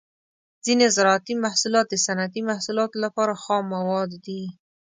ځینې زراعتي محصولات د صنعتي محصولاتو لپاره خام مواد دي.